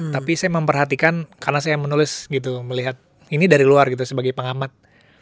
tapi saya memperhatikan karena saya menulis gitu melihat ini dari luar gitu sebagai pengamat